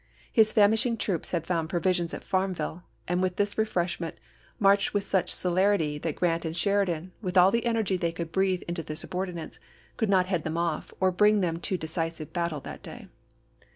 His famishing troops had found provisions at Farmville, and with this refreshment marched with such celerity APPOMATTOX 189 that Grant and Sheridan, with all the energy they chap. ix. could breathe into their subordinates, could not head them off, or bring them to decisive battle that day.